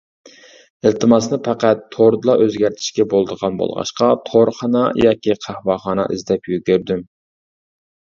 ئىلتىماسنى پەقەت توردىلا ئۆزگەرتىشكە بولىدىغان بولغاچقا تورخانا ياكى قەھۋەخانا ئىزدەپ يۈگۈردۈم.